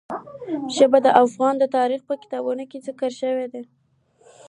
ژبې د افغان تاریخ په کتابونو کې ذکر شوي دي.